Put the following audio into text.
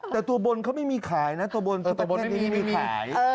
แต่ตัวบนเขาไม่มีขายนะตัวบนตัวบนเส้นนี้ไม่มีขาย